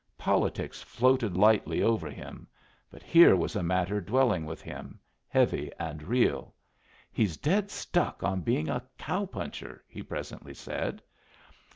Politics floated lightly over him, but here was a matter dwelling with him, heavy and real. "He's dead stuck on being a cow puncher," he presently said.